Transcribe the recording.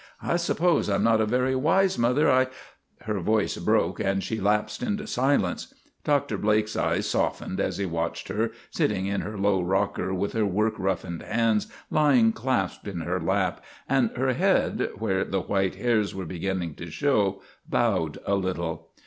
I suppose I 'm not a very wise mother. I " Her voice broke and she lapsed into silence. Dr. Blake's eyes softened as he watched her, sitting in her low rocker with her work roughened hands lying clasped in her lap, and her head, where the white hairs were beginning to show, bowed a little.